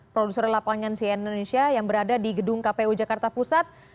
produser lapangan cn indonesia yang berada di gedung kpu jakarta pusat